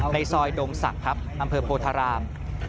ในซอยดงศักดิ์ครับอำเภอโพธาราม